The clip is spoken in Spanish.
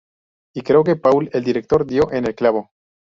Y creo que Paul, el director, dio en el clavo.